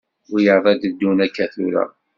Wiyaḍ ad d-teddun akka tura.